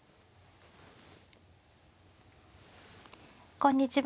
こんにちは。